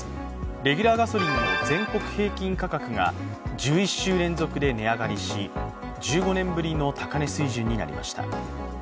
レギュラーガソリンの全国平均価格が１１週連続で値上がりし、１５年ぶりの高値水準となりました。